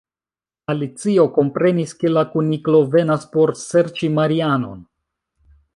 Alicio komprenis ke la Kuniklo venas por serĉi Marianon.